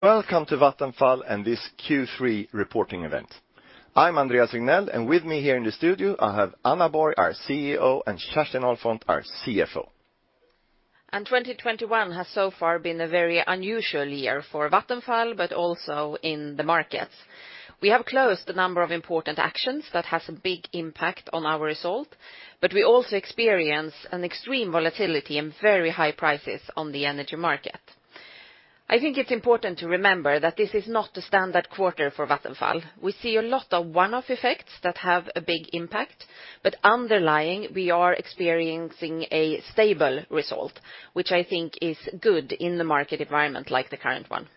Welcome to Vattenfall and this Q3 reporting event. I'm Andreas Regnell, and with me here in the studio, I have Anna Borg, our CEO, and Kerstin Ahlfont, our CFO. 2021 has so far been a very unusual year for Vattenfall, but also in the markets. We have closed a number of important actions that has a big impact on our result, but we also experience an extreme volatility and very high prices on the energy market. I think it's important to remember that this is not a standard quarter for Vattenfall. We see a lot of one-off effects that have a big impact, but underlying, we are experiencing a stable result, which I think is good in the market environment like the current one.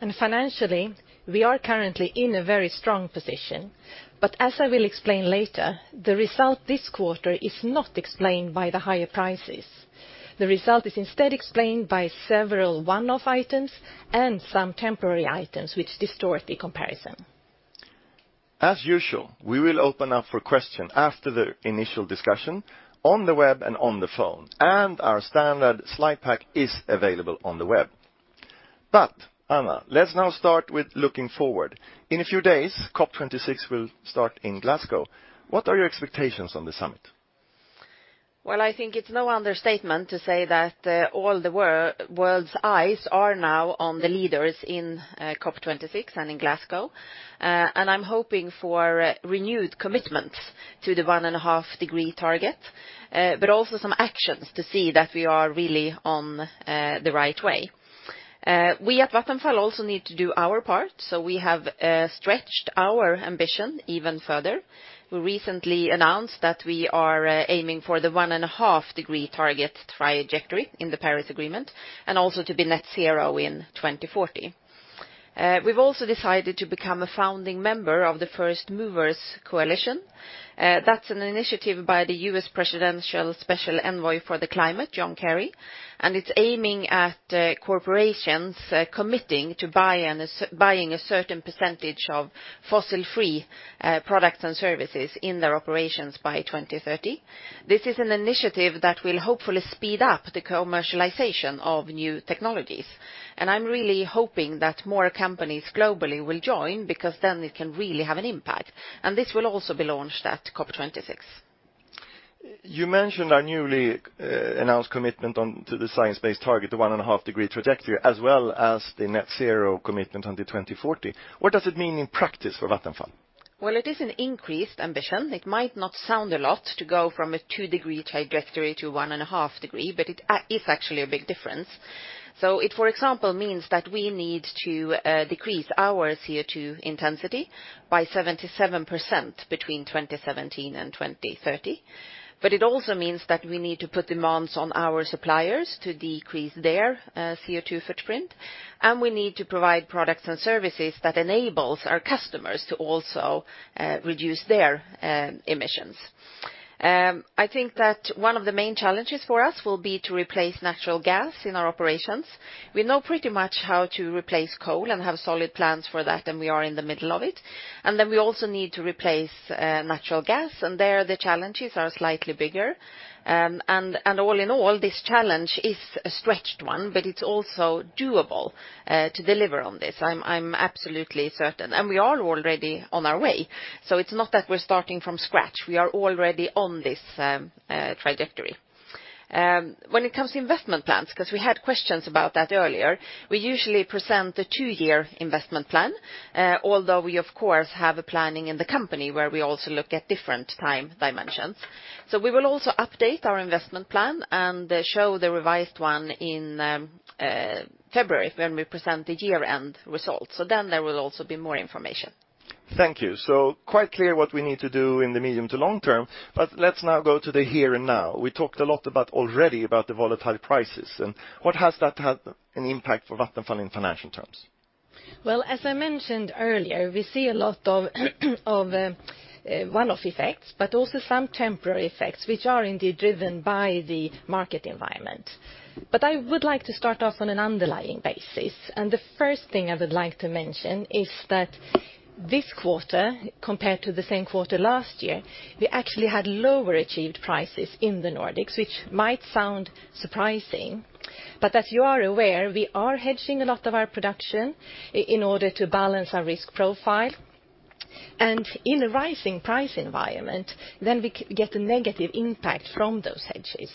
Financially, we are currently in a very strong position. As I will explain later, the result this quarter is not explained by the higher prices. The result is instead explained by several one-off items and some temporary items which distort the comparison. As usual, we will open up for question after the initial discussion on the web and on the phone, and our standard slide pack is available on the web. Anna, let's now start with looking forward. In a few days, COP26 will start in Glasgow. What are your expectations on this summit? Well, I think it's no understatement to say that all the world's eyes are now on the leaders in COP26 and in Glasgow. I'm hoping for renewed commitments to the 1.5 degree target, but also some actions to see that we are really on the right way. We at Vattenfall also need to do our part, so we have stretched our ambition even further. We recently announced that we are aiming for the 1.5 degree target trajectory in the Paris Agreement and also to be net zero in 2040. We've also decided to become a founding member of the First Movers Coalition. That's an initiative by the U.S. Special Presidential Envoy for Climate, John Kerry, and it's aiming at corporations committing to buy an Buying a certain percentage of fossil-free products and services in their operations by 2030. This is an initiative that will hopefully speed up the commercialization of new technologies. I'm really hoping that more companies globally will join because then it can really have an impact. This will also be launched at COP26. You mentioned our newly announced commitment on to the science-based target, the 1.5 degree trajectory, as well as the net zero commitment on to 2040. What does it mean in practice for Vattenfall? Well, it is an increased ambition. It might not sound a lot to go from a two-degree trajectory to a 1.5-degree, but it's actually a big difference. It, for example, means that we need to decrease our CO2 intensity by 77% between 2017 and 2030. It also means that we need to put demands on our suppliers to decrease their CO2 footprint, and we need to provide products and services that enables our customers to also reduce their emissions. I think that one of the main challenges for us will be to replace natural gas in our operations. We know pretty much how to replace coal and have solid plans for that, and we are in the middle of it. Then we also need to replace natural gas, and there the challenges are slightly bigger. All in all, this challenge is a stretched one, but it's also doable to deliver on this. I'm absolutely certain. We are already on our way, so it's not that we're starting from scratch. We are already on this trajectory. When it comes to investment plans, 'cause we had questions about that earlier, we usually present the two-year investment plan, although we, of course, have a planning in the company where we also look at different time dimensions. We will also update our investment plan and show the revised one in February when we present the year-end results. Then there will also be more information. Thank you. Quite clear what we need to do in the medium to long-term, but let's now go to the here and now. We talked a lot already about the volatile prices and what has that had an impact for Vattenfall in financial terms? Well, as I mentioned earlier, we see a lot of one-off effects, but also some temporary effects, which are indeed driven by the market environment. I would like to start off on an underlying basis. The first thing I would like to mention is that this quarter, compared to the same quarter last year, we actually had lower achieved prices in the Nordics, which might sound surprising. As you are aware, we are hedging a lot of our production in order to balance our risk profile. In a rising price environment, then we get a negative impact from those hedges.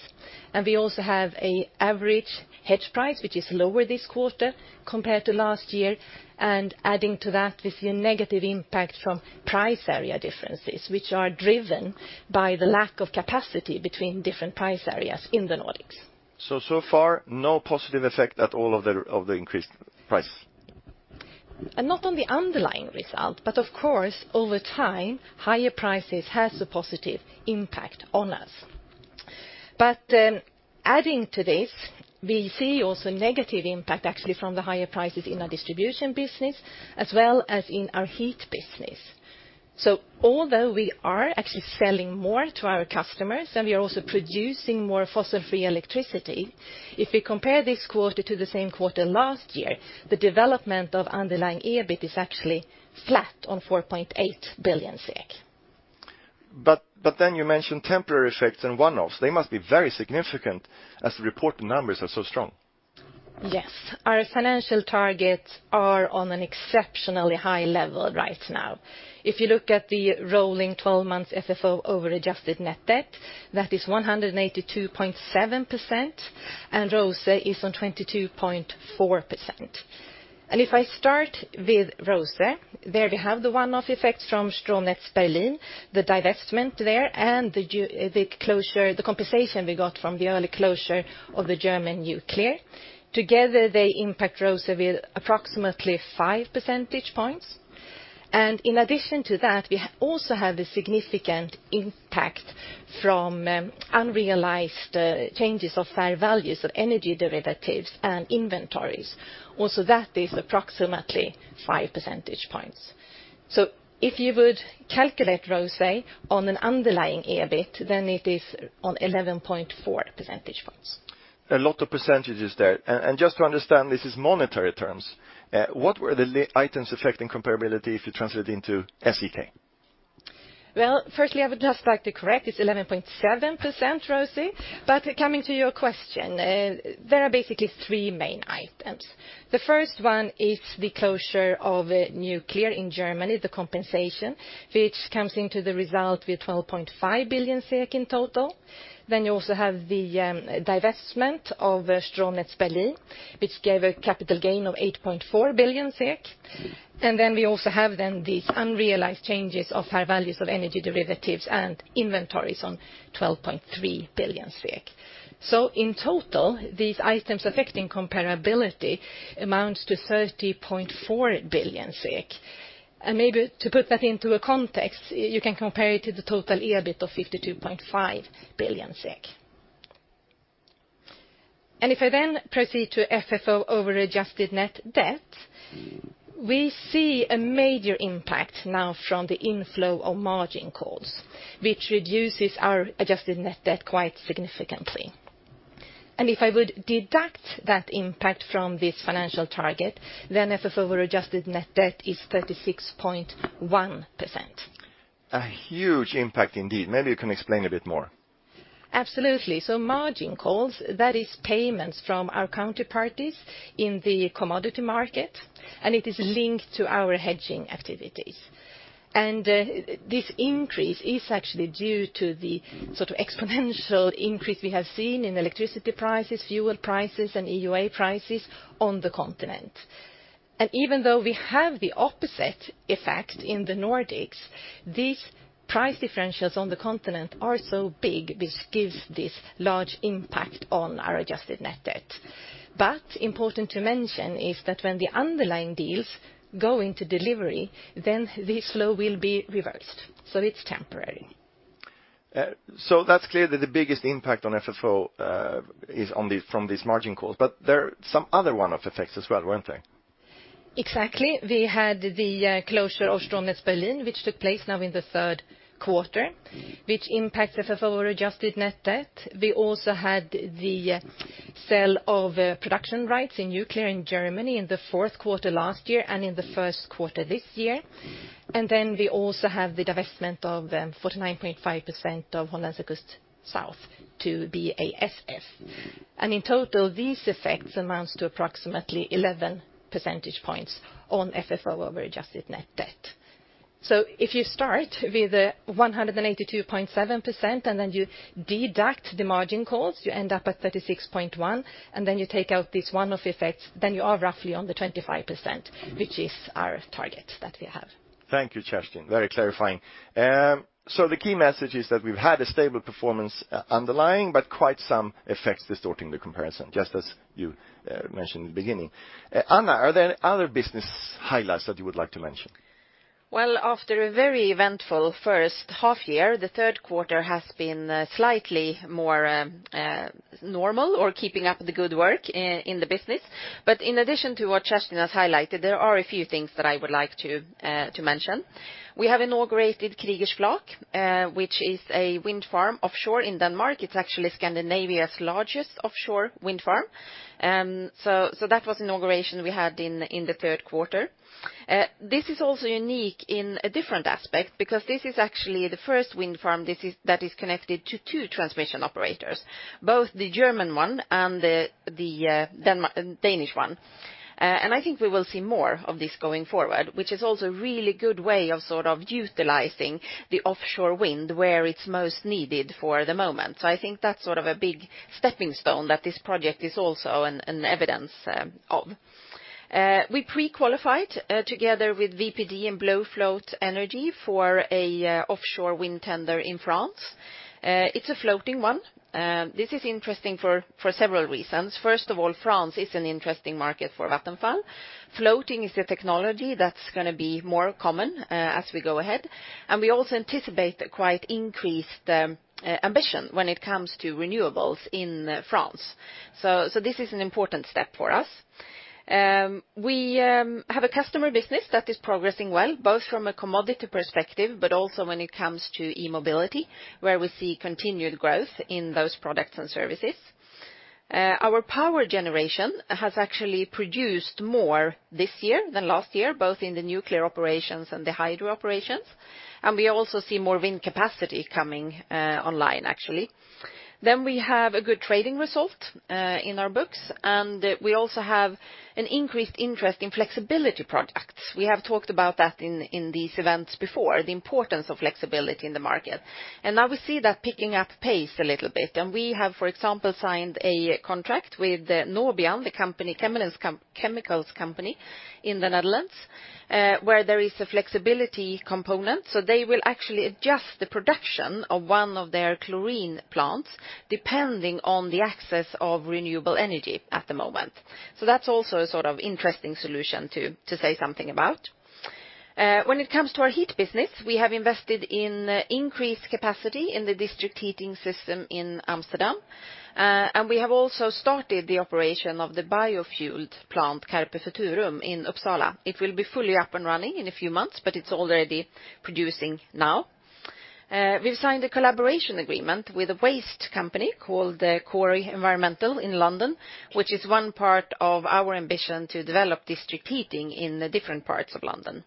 We also have an average hedge price, which is lower this quarter compared to last year. Adding to that, we see a negative impact from price area differences, which are driven by the lack of capacity between different price areas in the Nordics. So far, no positive effect at all of the increased price. Not on the underlying result, but of course, over time, higher prices has a positive impact on us. Adding to this, we see also negative impact actually from the higher prices in our distribution business as well as in our heat business. Although we are actually selling more to our customers, and we are also producing more fossil-free electricity, if we compare this quarter to the same quarter last year, the development of underlying EBIT is actually flat on 4.8 billion SEK. You mentioned temporary effects and one-offs. They must be very significant as the reported numbers are so strong. Yes. Our financial targets are on an exceptionally high level right now. If you look at the rolling twelve months FFO over adjusted net debt, that is 182.7%, and ROSE is on 22.4%. If I start with ROSE, there they have the one-off effects from Stromnetz Berlin, the divestment there, and the closure, the compensation we got from the early closure of the German nuclear. Together, they impact ROSE with approximately five percentage points. In addition to that, we also have a significant impact from unrealized changes of fair values of energy derivatives and inventories. Also, that is approximately five percentage points. If you would calculate ROSE on an underlying EBIT, then it is on 11.4 percentage points. A lot of percentages there. Just to understand, this in monetary terms. What were the items affecting comparability if you translate into SEK? Well, firstly, I would just like to correct, it's 11.7% ROCE. Coming to your question, there are basically three main items. The first one is the closure of nuclear in Germany, the compensation, which comes into the result with 12.5 billion SEK in total. You also have the divestment of Stromnetz Berlin, which gave a capital gain of 8.4 billion SEK. We also have these unrealized changes of fair values of energy derivatives and inventories on 12.3 billion SEK. In total, these items affecting comparability amounts to 30.4 billion SEK. Maybe to put that into a context, you can compare it to the total EBIT of 52.5 billion SEK. If I then proceed to FFO over adjusted net debt, we see a major impact now from the inflow of margin calls, which reduces our adjusted net debt quite significantly. If I would deduct that impact from this financial target, then FFO over adjusted net debt is 36.1%. A huge impact indeed. Maybe you can explain a bit more. Absolutely. Margin calls, that is payments from our counterparties in the commodity market, and it is linked to our hedging activities. This increase is actually due to the sort of exponential increase we have seen in electricity prices, fuel prices, and EUA prices on the continent. Even though we have the opposite effect in the Nordics, these price differentials on the continent are so big, which gives this large impact on our adjusted net debt. Important to mention is that when the underlying deals go into delivery, then this flow will be reversed, so it's temporary. That's clear that the biggest impact on FFO is from these margin calls, but there are some other one-off effects as well, weren't there? Exactly. We had the closure of Stromnetz Berlin, which took place now in the Q3, which impacts FFO over adjusted net debt. We also had the sale of production rights in nuclear in Germany in the Q4 last year and in the Q1 this year. We also have the divestment of 49.5% of Hollandse Kust Zuid to BASF. In total, these effects amounts to approximately 11 percentage points on FFO over adjusted net debt. If you start with 182.7%, and then you deduct the margin calls, you end up at 36.1%, and then you take out these one-off effects, then you are roughly on the 25%, which is our target that we have. Thank you, Kerstin. Very clarifying. The key message is that we've had a stable performance underlying, but quite some effects distorting the comparison, just as you mentioned in the beginning. Anna, are there other business highlights that you would like to mention? Well, after a very eventful H1 year, the Q3 has been slightly more normal or keeping up the good work in the business. In addition to what Kerstin has highlighted, there are a few things that I would like to mention. We have inaugurated Kriegers Flak, which is a wind farm offshore in Denmark. It's actually Scandinavia's largest offshore wind farm. So that was inauguration we had in the Q3. This is also unique in a different aspect because this is actually the first wind farm that is connected to two transmission operators, both the German one and the Danish one. I think we will see more of this going forward, which is also a really good way of sort of utilizing the offshore wind where it's most needed for the moment. I think that's sort of a big stepping stone that this project is also an evidence of. We pre-qualified together with wpd and BlueFloat Energy for an offshore wind tender in France. It's a floating one. This is interesting for several reasons. First of all, France is an interesting market for Vattenfall. Floating is the technology that's gonna be more common as we go ahead. We also anticipate a quite increased ambition when it comes to renewables in France. This is an important step for us. We have a customer business that is progressing well, both from a commodity perspective, but also when it comes to e-mobility, where we see continued growth in those products and services. Our power generation has actually produced more this year than last year, both in the nuclear operations and the hydro operations. We also see more wind capacity coming online actually. We have a good trading result in our books, and we also have an increased interest in flexibility products. We have talked about that in these events before, the importance of flexibility in the market. Now we see that picking up pace a little bit, and we have, for example, signed a contract with Nobian, the chemicals company in the Netherlands, where there is a flexibility component, so they will actually adjust the production of one of their chlorine plants depending on the access of renewable energy at the moment. That's also a sort of interesting solution to say something about. When it comes to our heat business, we have invested in increased capacity in the district heating system in Amsterdam. We have also started the operation of the bio-fueled plant Carpe Futurum in Uppsala. It will be fully up and running in a few months, but it's already producing now. We've signed a collaboration agreement with a waste company called Cory Environmental in London, which is one part of our ambition to develop district heating in the different parts of London.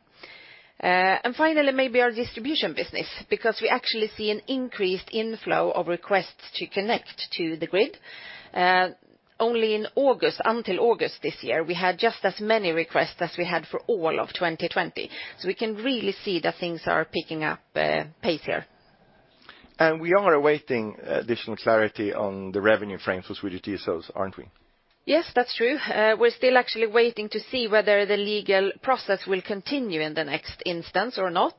Finally, maybe our distribution business, because we actually see an increased inflow of requests to connect to the grid. Only in August, until August this year, we had just as many requests as we had for all of 2020. We can really see that things are picking up pace here. We are awaiting additional clarity on the revenue frames for Swedish DSOs, aren't we? Yes, that's true. We're still actually waiting to see whether the legal process will continue in the next instance or not.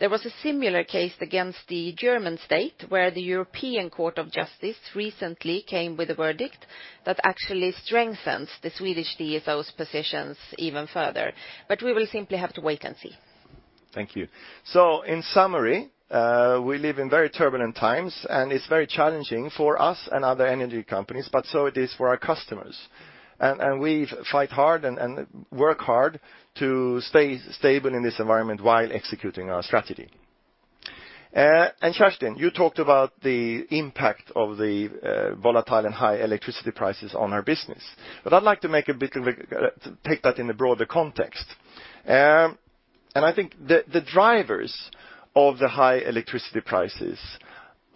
There was a similar case against the German state where the European Court of Justice recently came with a verdict that actually strengthens the Swedish DSOs positions even further. We will simply have to wait and see. Thank you. In summary, we live in very turbulent times, and it's very challenging for us and other energy companies, but so it is for our customers. We fight hard and work hard to stay stable in this environment while executing our strategy. Kerstin, you talked about the impact of the volatile and high electricity prices on our business. I'd like to take that in a broader context. I think the drivers of the high electricity prices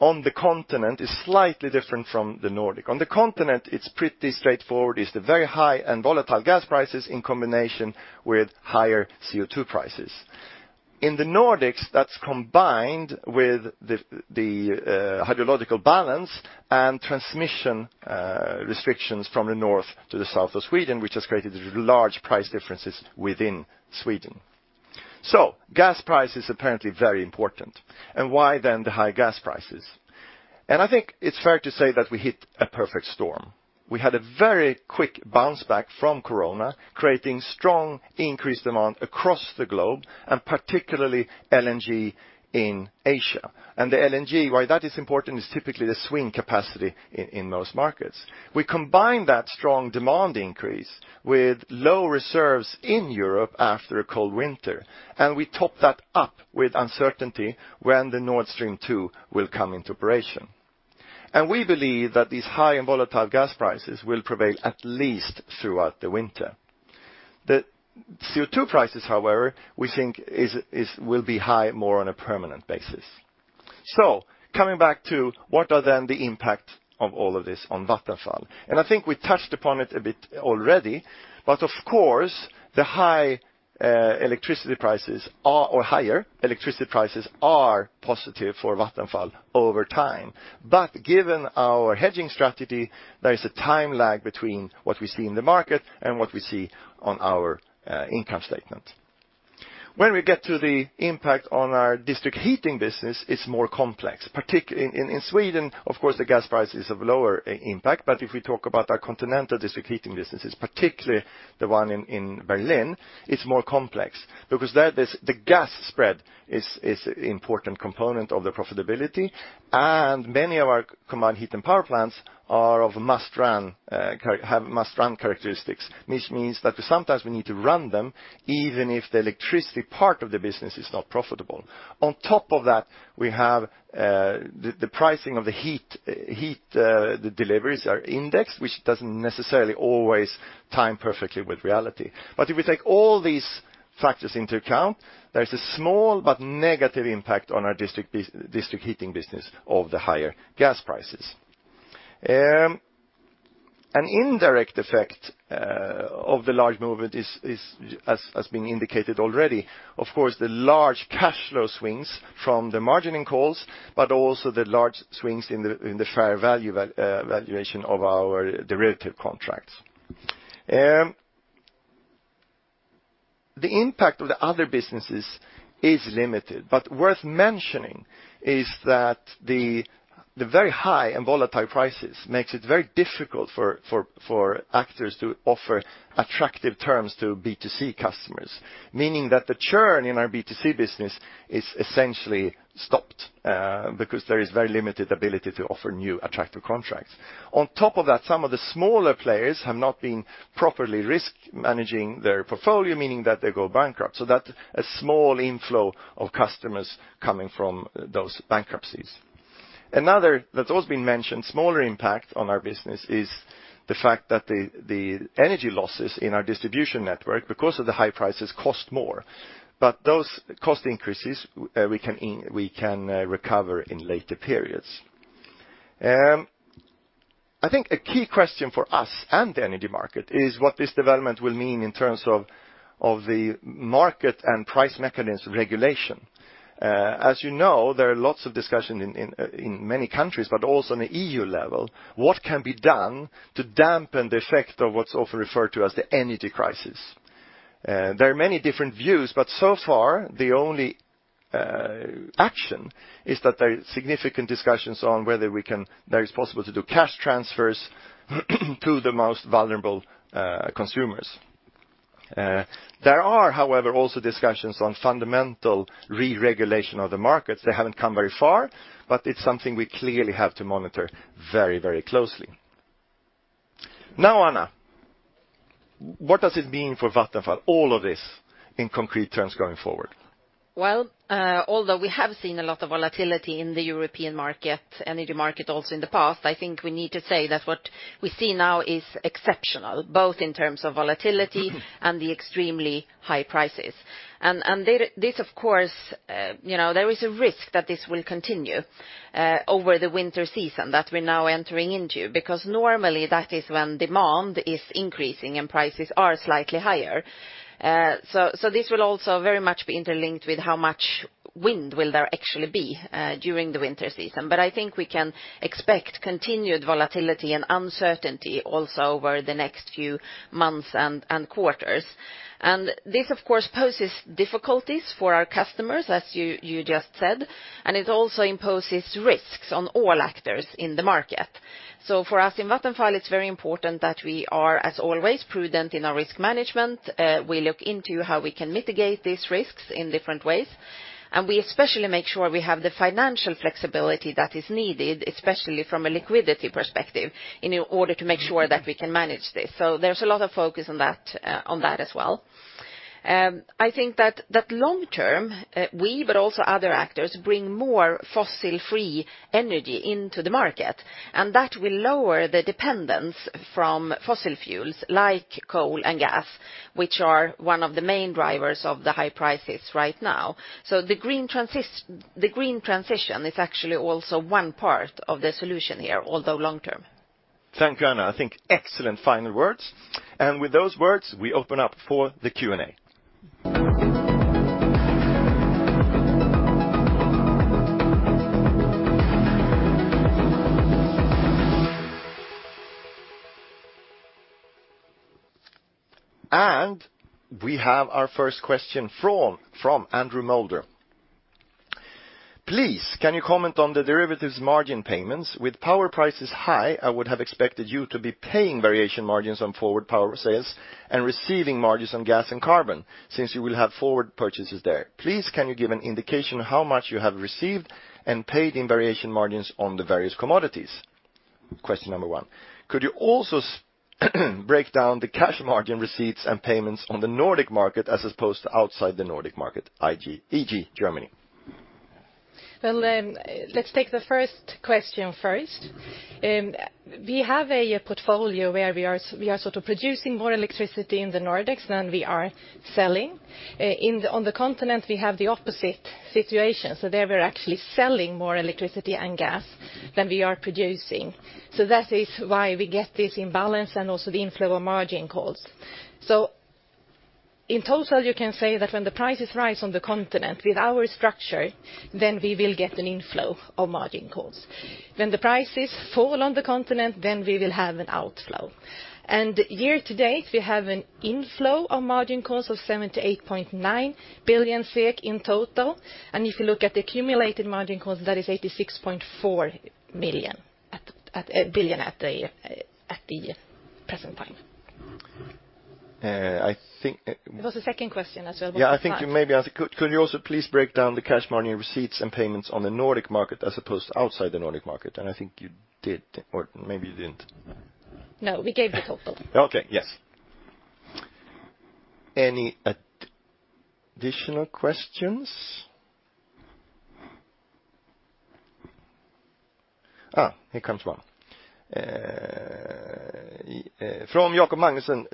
on the continent is slightly different from the Nordic. On the continent, it's pretty straightforward. It's the very high and volatile gas prices in combination with higher CO2 prices. In the Nordics, that's combined with the hydrological balance and transmission restrictions from the north to the south of Sweden, which has created large price differences within Sweden. Gas price is apparently very important. Why then the high gas prices? I think it's fair to say that we hit a perfect storm. We had a very quick bounce back from Corona, creating strong increased demand across the globe, and particularly LNG in Asia. The LNG, why that is important is typically the swing capacity in most markets. We combine that strong demand increase with low reserves in Europe after a cold winter, and we top that up with uncertainty when the Nord Stream 2 will come into operation. We believe that these high and volatile gas prices will prevail at least throughout the winter. The CO2 prices, however, we think is will be high more on a permanent basis. Coming back to what are then the impact of all of this on Vattenfall. I think we touched upon it a bit already. Of course, the high electricity prices are, or higher electricity prices are positive for Vattenfall over time. Given our hedging strategy, there is a time lag between what we see in the market and what we see on our income statement. When we get to the impact on our district heating business, it's more complex. In Sweden, of course, the gas price is of lower impact. If we talk about our continental district heating businesses, particularly the one in Berlin, it's more complex because there the gas spread is important component of the profitability. Many of our combined heat and power plants are of must-run characteristics, which means that sometimes we need to run them even if the electricity part of the business is not profitable. On top of that, we have the pricing of the heat. Heat deliveries are indexed, which doesn't necessarily always time perfectly with reality. If we take all these factors into account, there is a small but negative impact on our district heating business of the higher gas prices. An indirect effect of the large movement is, as being indicated already, of course, the large cash flow swings from the margining calls, but also the large swings in the fair value valuation of our derivative contracts. The impact of the other businesses is limited, but worth mentioning is that the very high and volatile prices makes it very difficult for actors to offer attractive terms to B2C customers, meaning that the churn in our B2C business is essentially stopped, because there is very limited ability to offer new attractive contracts. On top of that, some of the smaller players have not been properly risk managing their portfolio, meaning that they go bankrupt, so that a small inflow of customers coming from those bankruptcies. Another that's also been mentioned, smaller impact on our business is the fact that the energy losses in our distribution network, because of the high prices, cost more. Those cost increases we can recover in later periods. I think a key question for us and the energy market is what this development will mean in terms of the market and price mechanism regulation. As you know, there are lots of discussion in many countries, but also on the EU level, what can be done to dampen the effect of what's often referred to as the energy crisis. There are many different views, but so far the only action is that there are significant discussions on that it's possible to do cash transfers to the most vulnerable consumers. There are, however, also discussions on fundamental re-regulation of the markets. They haven't come very far, but it's something we clearly have to monitor very closely. Now, Anna, what does it mean for Vattenfall, all of this, in concrete terms going forward? Well, although we have seen a lot of volatility in the European market, energy market also in the past, I think we need to say that what we see now is exceptional, both in terms of volatility and the extremely high prices. This of course, you know, there is a risk that this will continue over the winter season that we're now entering into. Because normally that is when demand is increasing and prices are slightly higher. This will also very much be interlinked with how much wind will there actually be during the winter season. I think we can expect continued volatility and uncertainty also over the next few months and quarters. This of course poses difficulties for our customers, as you just said, and it also imposes risks on all actors in the market. For us in Vattenfall, it's very important that we are, as always, prudent in our risk management. We look into how we can mitigate these risks in different ways, and we especially make sure we have the financial flexibility that is needed, especially from a liquidity perspective, in order to make sure that we can manage this. There's a lot of focus on that, on that as well. I think that long-term, we, but also other actors bring more fossil-free energy into the market, and that will lower the dependence from fossil fuels like coal and gas, which are one of the main drivers of the high prices right now. The green transition is actually also one part of the solution here, although long-term. Thank you, Anna. I think excellent final words. With those words, we open up for the Q&A. We have our first question from Andrew Moulder. Please, can you comment on the derivatives margin payments? With power prices high, I would have expected you to be paying variation margins on forward power sales and receiving margins on gas and carbon, since you will have forward purchases there. Please, can you give an indication of how much you have received and paid in variation margins on the various commodities? Question number one. Could you also break down the cash margin receipts and payments on the Nordic market as opposed to outside the Nordic market, e.g., Germany? Well, let's take the first question first. We have a portfolio where we are sort of producing more electricity in the Nordics than we are selling. On the continent, we have the opposite situation. There we're actually selling more electricity and gas than we are producing. That is why we get this imbalance and also the inflow of margin costs. In total, you can say that when the prices rise on the continent with our structure, then we will get an inflow of margin costs. When the prices fall on the continent, then we will have an outflow. Year-to-date, we have an inflow of margin costs of 78.9 billion SEK in total. If you look at the accumulated margin costs, that is 86.4 million at the present time. Uh, I think, uh- There was a second question as well. Yeah, I think you may be asking it. Could you also please break down the cash margin receipts and payments on the Nordic market as opposed to outside the Nordic market? I think you did, or maybe you didn't. No, we gave the total. Okay, yes. Any additional questions? Here comes one. From Jakob Magnussen,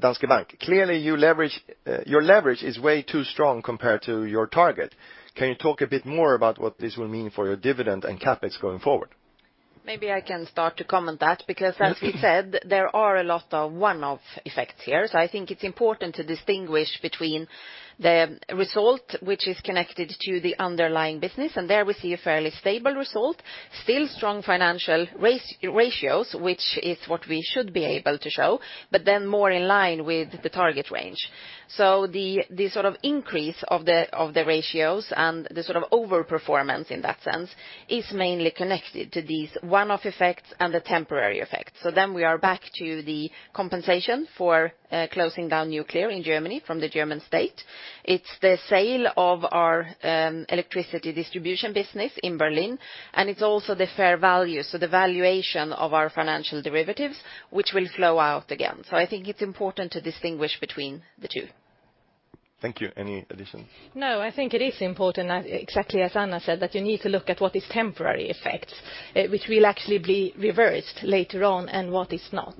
Danske Bank. Clearly, your leverage is way too strong compared to your target. Can you talk a bit more about what this will mean for your dividend and CapEx going forward? Maybe I can start to comment that, because as we said, there are a lot of one-off effects here. I think it's important to distinguish between the result, which is connected to the underlying business, and there we see a fairly stable result. Still strong financial ratios, which is what we should be able to show, but then more in line with the target range. The sort of increase of the ratios and the sort of overperformance in that sense is mainly connected to these one-off effects and the temporary effects. We are back to the compensation for closing down nuclear in Germany from the German state. It's the sale of our electricity distribution business in Berlin, and it's also the fair value, so the valuation of our financial derivatives, which will flow out again. I think it's important to distinguish between the two. Thank you. Any additions? No, I think it is important, exactly as Anna said, that you need to look at what is temporary effects, which will actually be reversed later on, and what is not.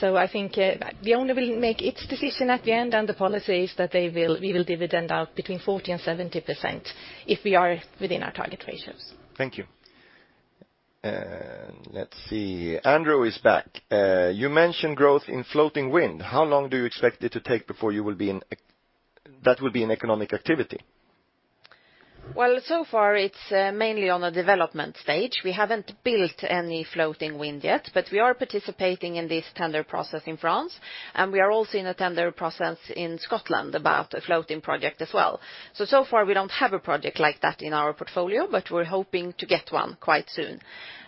I think the owner will make its decision at the end, and the policy is that we will dividend out between 40% and 70% if we are within our target ratios. Thank you. Let's see. Andrew is back. You mentioned growth in floating wind. How long do you expect it to take before that will be an economic activity? Well, so far it's mainly on a development stage. We haven't built any floating wind yet, but we are participating in this tender process in France, and we are also in a tender process in Scotland about a floating project as well. so far, we don't have a project like that in our portfolio, but we're hoping to get one quite soon.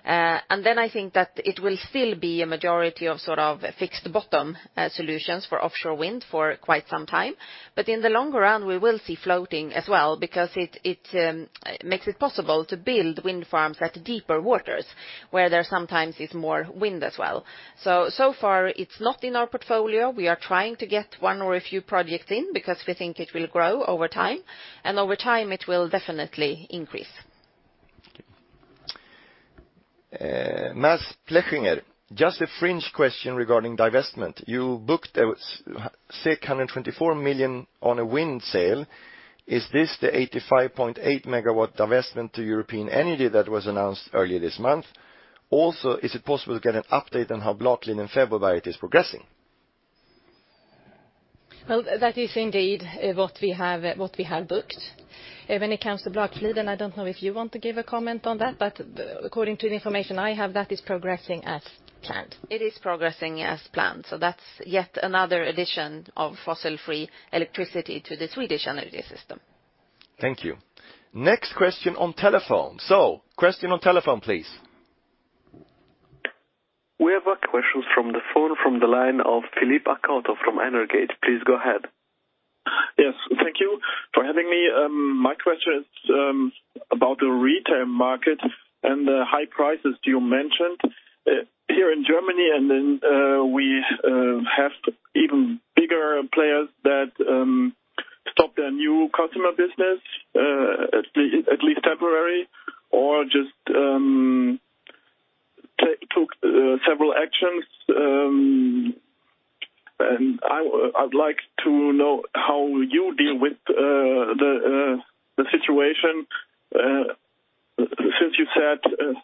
and then I think that it will still be a majority of sort of fixed bottom solutions for offshore wind for quite some time. In the long run, we will see floating as well because it makes it possible to build wind farms at deeper waters, where there sometimes is more wind as well. so far, it's not in our portfolio. We are trying to get one or a few projects in because we think it will grow over time, and over time it will definitely increase. Mads Pleochinger. Just a fringe question regarding divestment. You booked 124 million on a wind sale. Is this the 85.8 MW divestment to European Energy that was announced earlier this month? Also, is it possible to get an update on how Blakliden and Fäbodberget is progressing? Well, that is indeed what we have booked. When it comes to Blakliden, I don't know if you want to give a comment on that, but according to the information I have, that is progressing as planned. It is progressing as planned, so that's yet another addition of fossil-free electricity to the Swedish energy system. Thank you. Next question on telephone. Question on telephone, please. We have a question from the phone from the line of Philip Akoto from Energate. Please go ahead. Yes, thank you for having me. My question is about the retail market and the high prices you mentioned here in Germany and then we have even bigger players that stopped their new customer business at least temporary or just took several actions and I'd like to know how you deal with the situation since you said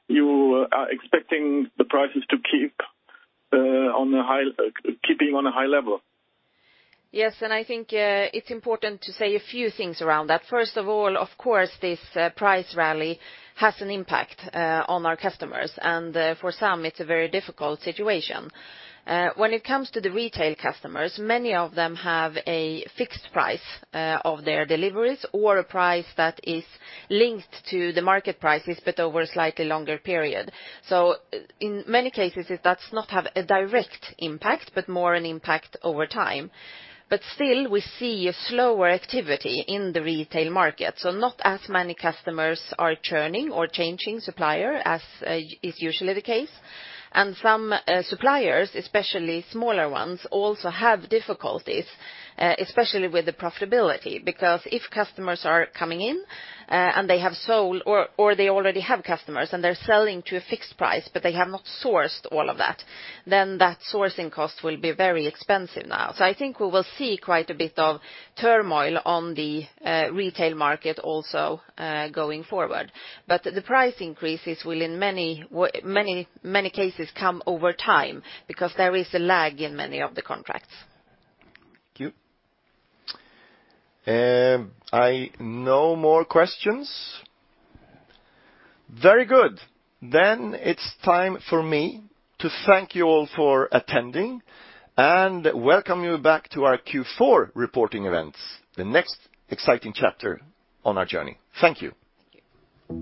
you are expecting the prices to keep on a high level. Yes, I think it's important to say a few things around that. First of all, of course, this price rally has an impact on our customers, and for some it's a very difficult situation. When it comes to the retail customers, many of them have a fixed price of their deliveries or a price that is linked to the market prices but over a slightly longer period. In many cases it does not have a direct impact, but more an impact over time. Still, we see a slower activity in the retail market, so not as many customers are churning or changing supplier as is usually the case. Some suppliers, especially smaller ones, also have difficulties, especially with the profitability. Because if customers are coming in, and they have sold or they already have customers and they're selling to a fixed price, but they have not sourced all of that, then that sourcing cost will be very expensive now. So I think we will see quite a bit of turmoil on the retail market also, going forward. But the price increases will in many cases come over time because there is a lag in many of the contracts. Thank you. No more questions. Very good. It's time for me to thank you all for attending and welcome you back to our Q4 reporting events, the next exciting chapter on our journey. Thank you. Thank you.